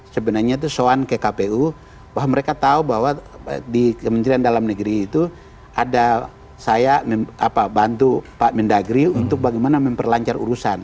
sebenarnya itu soan ke kpu bahwa mereka tahu bahwa di kementerian dalam negeri itu ada saya bantu pak mendagri untuk bagaimana memperlancar urusan